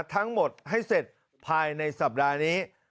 ทั้งหมดให้เสร็จภายในสัปดาห์นี้